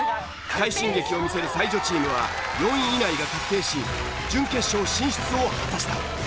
快進撃を見せる才女チームは４位以内が確定し準決勝進出を果たした。